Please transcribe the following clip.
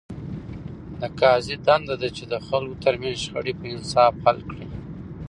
د قاضي دنده ده، چي د خلکو ترمنځ شخړي په انصاف حل کړي.